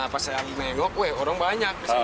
pas saya mengangguk orang banyak